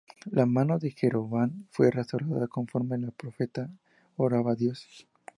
La mano de Jeroboam fue restaurada conforme el profeta oraba a Dios.